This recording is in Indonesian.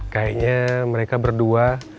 kayaknya mereka berdua